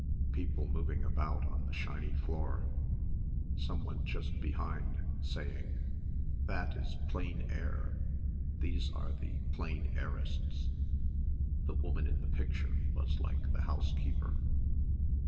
people moving about on the shiny floor, someone just behind saying, "that is plein air, these are the plein airistes" the woman in the picture was like the housekeeper....